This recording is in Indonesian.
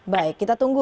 baik kita tunggu